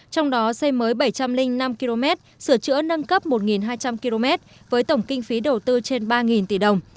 trong đó xây mới bảy trăm linh năm km sửa chữa nâng cấp một hai trăm linh km với tổng kinh phí đầu tư trên ba tỷ đồng